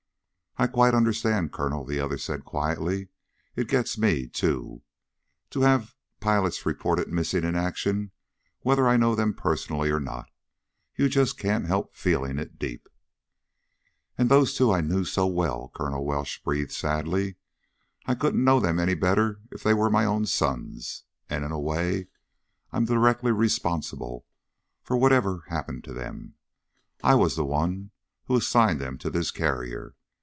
"I quite understand, Colonel," the other said quietly. "It gets me, too, to have pilots reported missing in action, whether I know them personally or not. You just can't help feeling it deep." "And those two I knew so well!" Colonel Welsh breathed sadly. "I couldn't know them any better if they were my own sons. And in a way I'm directly responsible for whatever has happened to them. I was the one who assigned them to this carrier.